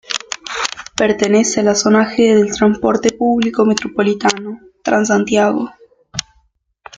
Pertenece a la Zona G del transporte público metropolitano, Transantiago.